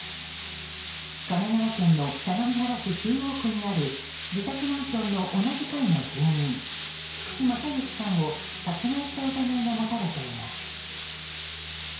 神奈川県の相模原市中央区にある自宅マンションの同じ階の住人菊地雅行さんを殺害した疑いが持たれています。